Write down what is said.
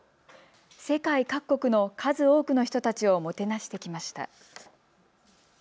世界各国の数多くの人たちをもてなしてきました。